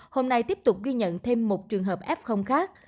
hôm nay tiếp tục ghi nhận thêm một trường hợp f khác